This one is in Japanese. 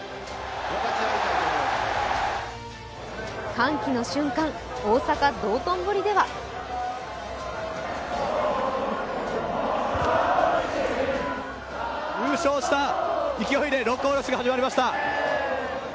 歓喜の瞬間、大阪・道頓堀では・優勝した勢いで「六甲おろし」が始まりました。